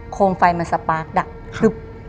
โค้งไฟมันสปาร์คดับ